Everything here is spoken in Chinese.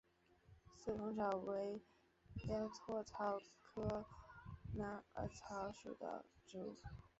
四孔草为鸭跖草科蓝耳草属的植物。